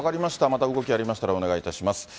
また動きありましたらお願いいたします。